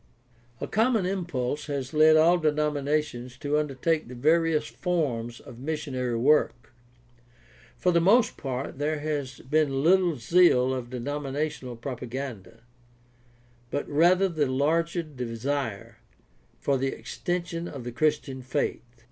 — A common impulse has led all denomina tions to undertake the various forms of missionary work. For the most part there has been little zeal of denominational propaganda, but rather the larger desire for the extension of the Christian faith.